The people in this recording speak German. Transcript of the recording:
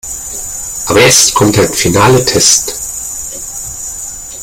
Aber jetzt kommt der finale Test.